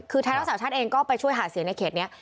คือไทยรักษาชาติเองก็ไปช่วยหาเสียงในเขตนี้